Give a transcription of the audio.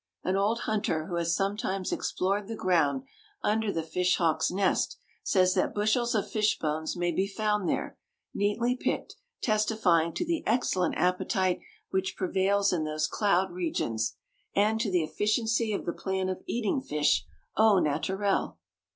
An old hunter who has sometimes explored the ground under the fish hawk's nest says that bushels of fish bones may be found there, neatly picked, testifying to the excellent appetite which prevails in those cloud regions, and to the efficiency of the plan of eating fish au naturel.